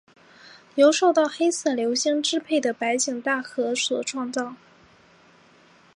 由受到黑色流星支配的白井大和所创造。